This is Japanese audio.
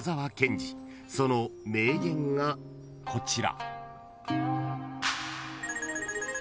［その名言がこちら］